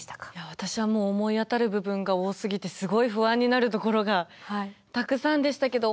私はもう思い当たる部分が多すぎてすごい不安になるところがたくさんでしたけど。